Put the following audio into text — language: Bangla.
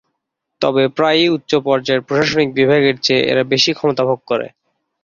তবে প্রায়ই উচ্চ পর্যায়ের প্রশাসনিক বিভাগের চেয়ে এরা বেশি ক্ষমতা ভোগ করে।